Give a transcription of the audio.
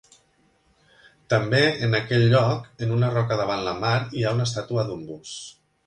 També en aquell lloc, en una roca davant la mar, hi ha una estàtua d'un bus.